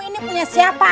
ini punya siapa